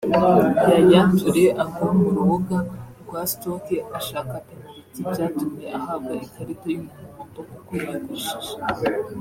Yaya Toure agwa m rubuga rwa Stoke ashaka penaliti byatumye ahabwa ikarita y’umuhondo kuko yigushije